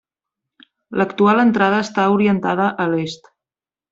L'actual entrada està orientada a l'est.